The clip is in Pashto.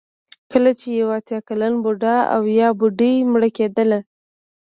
کله چې یو اتیا کلن بوډا او یا بوډۍ مړه کېدله.